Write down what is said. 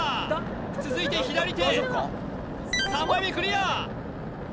続いて左手３枚目クリア！